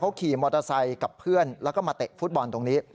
ขี่มอเตอร์ไซค์กับเพื่อนแล้วก็มาเตะฟุตบอลตรงนี้